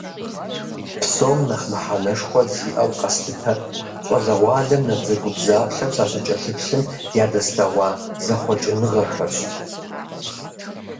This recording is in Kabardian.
Псом нэхъ мыхьэнэшхуэ зиӏэу къэслъытэр, щӏалэгъуалэм набдзэгубдзаплъэу сыщыкӏэлъыплъым, ядэслъэгъуа зэхъуэкӏыныгъэхэращ.